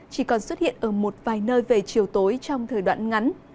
chỉ còn xuất hiện ở một vài nơi về chiều tối trong thời đoạn ngắn